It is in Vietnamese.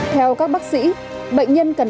theo các bác sĩ bệnh nhân cần